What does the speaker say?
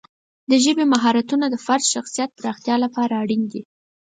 د ژبې مهارتونه د فرد د شخصیت پراختیا لپاره اړین دي.